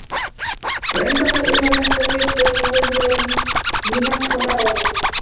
وَانْتَقَلَ إلَى مَنْ لَمْ يُخْبِرْهُ مَلَلًا لِمَنْ خَبَرَهُ